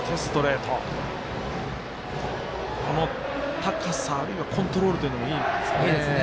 高さ、あるいはコントロールというのもいいですね。